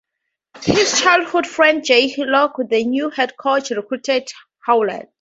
His childhood friend Jay Hillock, the new head coach, recruited Howland.